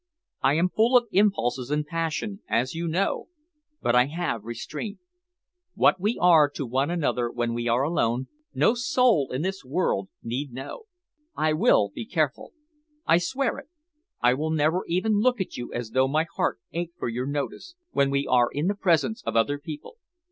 I am full of impulses and passion, as you know, but I have restraint. What we are to one another when we are alone, no soul in this world need know. I will be careful. I swear it. I will never even look at you as though my heart ached for your notice, when we are in the presence of other people.